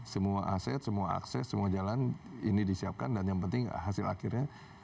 semua aset semua akses semua jalan ini disiapkan dan yang penting hasil akhirnya